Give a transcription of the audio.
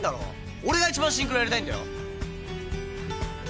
俺がいちばんシンクロやりたいんだよ。